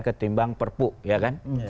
ketimbang perpu ya kan